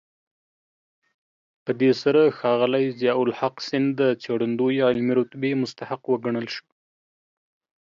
په دې سره ښاغلی ضياءالحق سیند د څېړندوی علمي رتبې مستحق وګڼل شو.